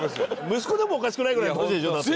息子でもおかしくないぐらいの年でしょ？だって。